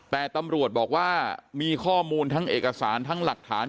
แต่ตำรวจบอกว่ามีข้อมูลทั้งเอกสารทั้งหลักฐาน